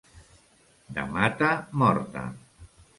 De mata morta.